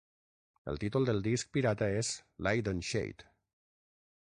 El títol del disc pirata és "Light and shade".